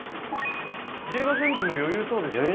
１５ｃｍも余裕そうでしたね。